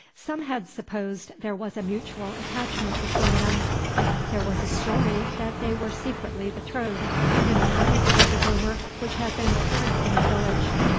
Some had supposed there was a mutual attachment between them; there was a story that they were secretly betrothed, in accordance with the rumor which had been current in the village.